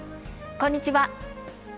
こんにちは。